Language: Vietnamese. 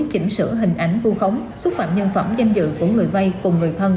tiến chỉnh sửa hình ảnh vu khống xúc phạm nhân phẩm danh dự của người vây cùng người thân